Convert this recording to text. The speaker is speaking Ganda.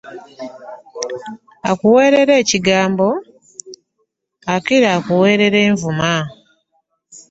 Akuwerera ekigambao akira akuwerera envuma .